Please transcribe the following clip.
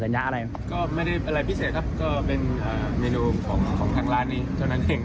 ก็อยู่ใกล้กับสภาใกล้กับเดินทางที่นี่สองครั้ง